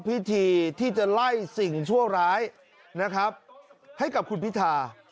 พิธีที่จะไล่สิ่งชั่วร้ายนะครับให้กับคุณพิธา